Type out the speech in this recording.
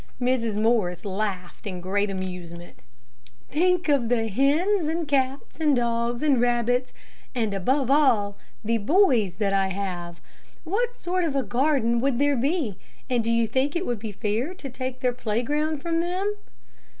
Mrs. Morris laughed in great amusement. "Think of the hens, and cats, and dogs, and rabbits, and, above all, the boys that I have. What sort of a garden would there be, and do you think it would be fair to take their playground from them?"